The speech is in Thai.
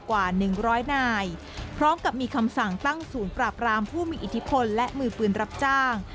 กว่า๑๐๐นายพร้อมกับมีคำสั่งตั้งศูนย์ปราบรามผู้มีอิทธิพลและมือปืนรับจ้าง